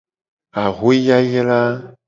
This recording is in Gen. Axwe yayra.